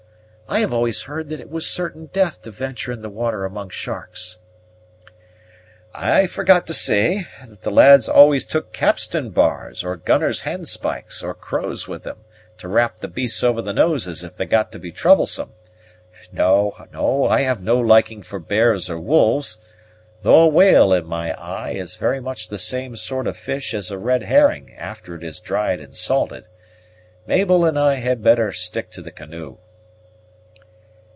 "I have always heard that it was certain death to venture in the water among sharks." "I forgot to say, that the lads always took capstan bars, or gunners' handspikes, or crows with them, to rap the beasts over the noses if they got to be troublesome. No, no, I have no liking for bears and wolves, though a whale, in my eye, is very much the same sort of fish as a red herring after it is dried and salted. Mabel and I had better stick to the canoe."